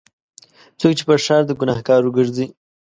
څوک چې پر ښار د ګناهکارو ګرځي.